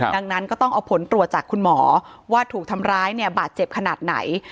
ดังนั้นก็ต้องเอาผลตรวจจากคุณหมอว่าถูกทำร้ายเนี่ยบาดเจ็บขนาดไหน